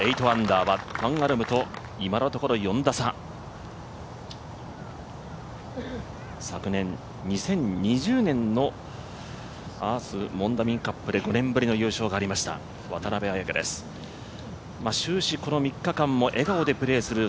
８アンダーはファン・アルムと今のところ４打差、昨年、２０２０年のアース・モンダミンカップで５年ぶりの優勝がありました、渡邉彩香です。